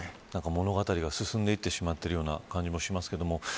物語が進んでいってしまっているような感じもします。